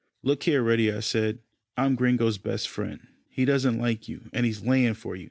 "Look here, Reddy," I said, "I'm Gringo's best friend. He doesn't like you, and he's laying for you.